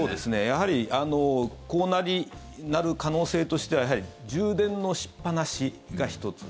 やはりこうなる可能性としては充電のしっぱなしが１つ。